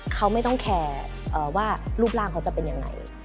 เขาไม่ต้องแคร์ว่ารูปร่างเขาจะเป็นยังไง